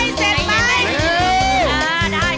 ได้ยังได้ยัง